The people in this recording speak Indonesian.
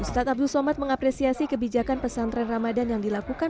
ustadz abdul somad mengapresiasi kebijakan pesantren ramadan yang dilakukan